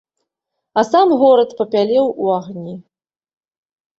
А сам горад папялеў у агні.